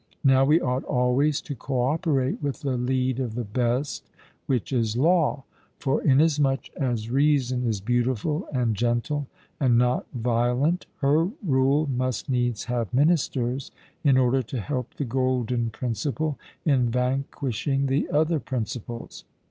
Now we ought always to cooperate with the lead of the best, which is law. For inasmuch as reason is beautiful and gentle, and not violent, her rule must needs have ministers in order to help the golden principle in vanquishing the other principles.